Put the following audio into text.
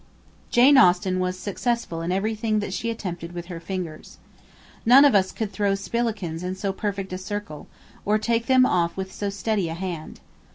Jane Austen was successful in everything that she attempted with her fingers. None of us could throw spilikins in so perfect a circle, or take them off with so steady a hand.